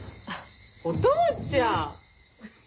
お父ちゃん！